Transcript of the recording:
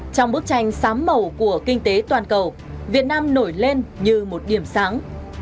trong bức tranh sám màu của kinh tế toàn cầu việt nam nổi lên như một điểm sáng